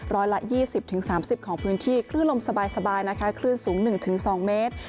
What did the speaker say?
ร้อยละ๒๐๓๐ของพื้นที่คลื่นลมสบายนะคะคลื่นสูง๑๒เมตร